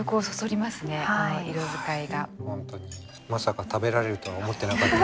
本当にまさか食べられるとは思ってなかった。